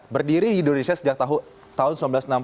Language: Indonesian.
berdiri di indonesia sejak tahun seribu sembilan ratus enam puluh